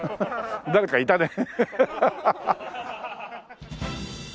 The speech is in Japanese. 誰かいたね。